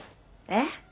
えっ？